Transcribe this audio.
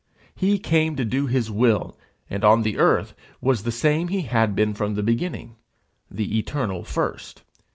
He came to do his will, and on the earth was the same he had been from the beginning, the eternal first.